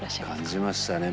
感じましたね。